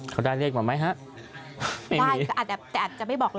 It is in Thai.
เขาได้เลขมาไหมฮะได้แต่อาจจะไม่บอกเรา